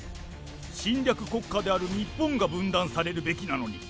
侵略国家である日本が分断されるべきなのに。